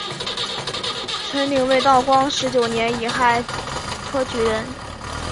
陈鼐为道光十九年己亥科举人。